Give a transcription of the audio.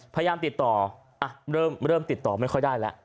พยายามติดต่อเริ่มติดต่อไม่ค่อยได้แล้ว